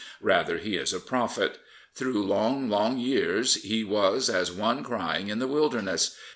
Rather he is a prophet. Through long, long years he was as one crying in the wilderness.